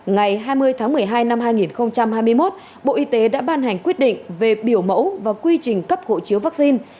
ngày hai mươi tháng một mươi hai năm hai nghìn hai mươi một bộ y tế đã ban hành quyết định về biểu mẫu và quy trình cấp hộ chiếu vaccine